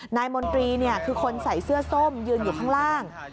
มนตรีคือคนใส่เสื้อส้มยืนอยู่ข้างล่าง